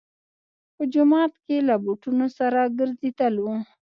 په جومات کې له بوټونو سره ګرځېدلو.